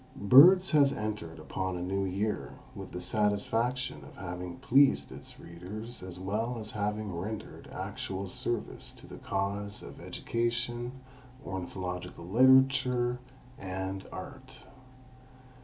Birds has entered upon a new year with the satisfaction of having pleased its readers as well as having rendered actual service to the cause of education, ornithological literature and art.